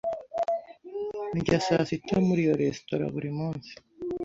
Ndya saa sita muri iyo resitora buri munsi.